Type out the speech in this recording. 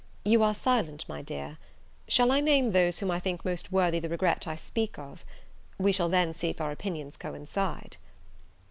You are silent, my dear. Shall I name those whom I think most worthy the regret I speak of? We shall then see if our opinions coincide."